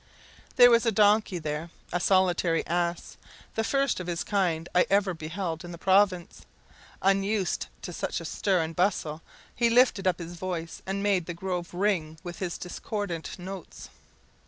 There was a donkey there a solitary ass the first of his kind I ever beheld in the province. Unused to such a stir and bustle, he lifted up his voice, and made the grove ring with his discordant notes.